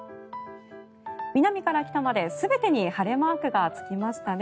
南から北まで全てに晴れマークがつきましたね。